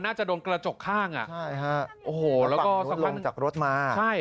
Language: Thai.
น่าจะโดนกระจกข้างอ่ะใช่ฮะโอ้โหแล้วก็ลงจากรถมาใช่